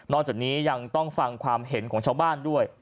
จากนี้ยังต้องฟังความเห็นของชาวบ้านด้วย